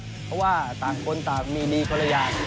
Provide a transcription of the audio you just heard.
เพราะว่าต่างคนต่างมีดีคนละอย่าง